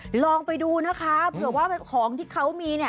ลองไปดูนะคะเผื่อว่าของที่เขามีเนี่ย